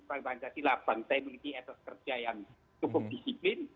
pancasila bangsa yang memiliki etos kerja yang cukup disiplin